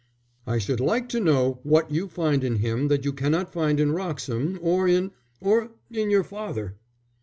"I should like to know what you find in him that you cannot find in Wroxham or in or in your father."